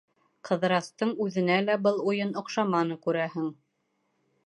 Ҡыҙырастың үҙенә лә был уйын оҡшаманы, күрәһең.